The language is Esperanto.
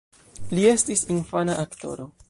Li estis infana aktoro.